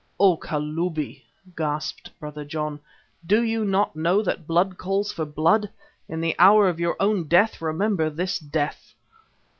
"O Kalubi!" gasped Brother John, "do you not know that blood calls for blood? In the hour of your own death remember this death."